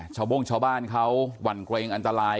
โม่งชาวบ้านเขาหวั่นเกรงอันตราย